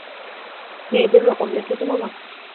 মেয়েদের রকম দেখলে তো বাবা!